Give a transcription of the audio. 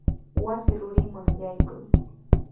Wasi rurinman yaykuy.